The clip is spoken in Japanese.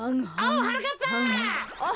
おうはなかっぱ。